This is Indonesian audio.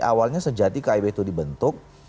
awalnya sejati kib itu dibentuk